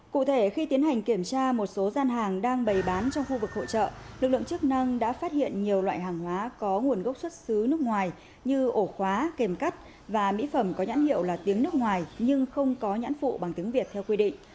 cụ thể khi tiến hành kiểm tra một số gian hàng đang bày bán trong khu vực hội trợ lực lượng chức năng đã phát hiện nhiều loại hàng hóa có nguồn gốc xuất xứ nước ngoài như ổ khóa kèm cắt và mỹ phẩm có nhãn hiệu là tiếng nước ngoài nhưng không có nhãn phụ bằng tiếng việt theo quy định